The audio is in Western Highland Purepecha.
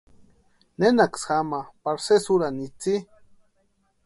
Nenaksï jamaa pari sési úrani itsï.